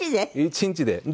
１日で？